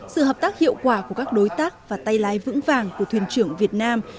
sự hợp tác hiệu quả của các đối tác và tay lái vững vàng của thuyền trưởng việt nam